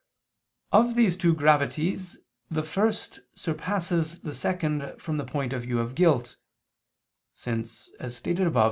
Of these two gravities the first surpasses the second from the point of view of guilt; since, as stated above (A.